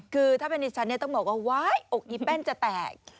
คือถ้าเป็นในชั้นนี้ต้องบอกว่าไว้อกนี้แป้นจะแตก